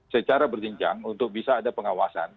secara berjenjang untuk bisa ada pengawasan